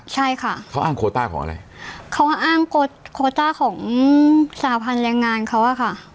ใช่ค่ะเขาอ้างโคต้าของอะไรเขาอ้างโคต้าของสหพันธ์แรงงานเขาอะค่ะ